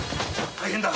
大変だ！